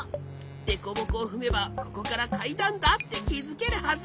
デコボコをふめばここからかいだんだってきづけるはず！